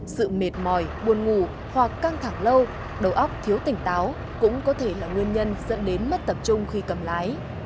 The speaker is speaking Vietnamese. sự mệt mỏi buồn ngủ hoặc căng thẳng lâu đầu óc thiếu tỉnh táo cũng có thể là nguyên nhân dẫn đến mất tập trung khi cầm lái